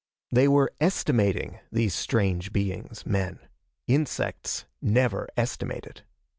They were estimating these strange beings, men. Insects never estimated.